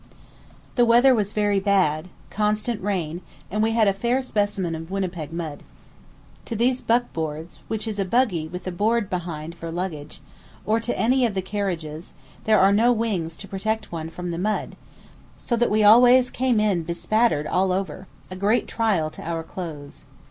The weather was very bad, constant rain, and we had a fair specimen of Winnipeg mud. To these buckboards (which is a buggy with a board behind for luggage), or to any of the carriages, there are no wings to protect one from the mud, so that we always came in bespattered all over, a great trial to our clothes.